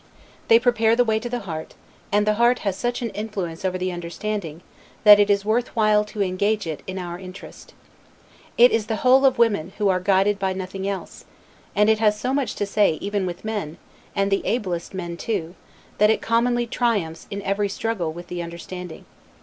They prepare the way to the heart; and the heart has such an influence over the understanding, that it is worth while to engage it in our interest. It is the whole of women, who are guided by nothing else: and it has so much to say, even with men, and the ablest men too, that it commonly triumphs in every struggle with the understanding.